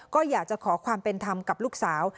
ก็อยากจะขอความเป็นธรรมกับลูกสาว